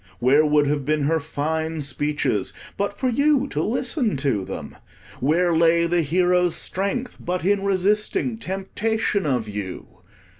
Where would have been her fine speeches, but for you to listen to them? Where lay the hero's strength, but in resisting temptation of you?